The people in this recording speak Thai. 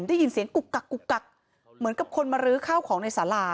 ได้ยินเสียงกุกกักกุกกักเหมือนกับคนมารื้อข้าวของในสารา